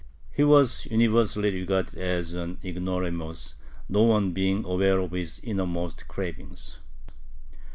He was universally regarded as an ignoramus, no one being aware of his innermost cravings.